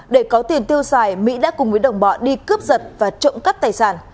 để có tiền tiêu xài mỹ đã cùng với đồng bọn đi cướp giật và trộm cắp tài sản